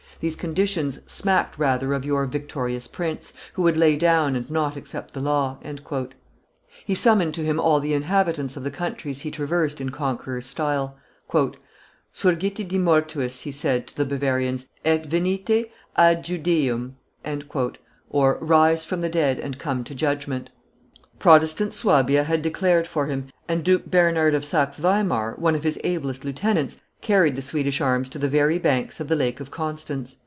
"These conditions smacked rather of your victorious prince, who would lay down and not accept the law." He summoned to him all the inhabitants of the countries he traversed in conqueror's style: "Surgite d mortuis," he said to the Bavarians, "et venite ad judieium" (Rise from the dead, and come to judgment). Protestant Suabia had declared for him, and Duke Bernard of Saxe Weimar, one of his ablest lieute ants, carried the Swedish arms to the very banks of the Lake of Constance.